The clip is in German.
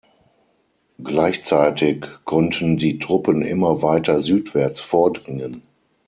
Gleichzeitig konnten die Truppen immer weiter südwärts vordringen.